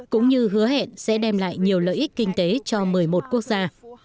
cũng như hứa hẹn sẽ đem lại nhiều lợi ích kinh tế cho một mươi một quốc gia